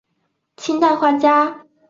清代画家。